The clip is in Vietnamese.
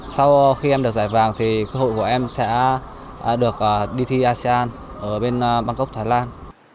sau khi em được giải vàng thì cơ hội của em sẽ được đi thi asean ở bên bangkok thái lan